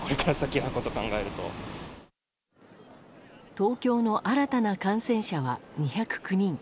東京の新たな感染者は２０９人。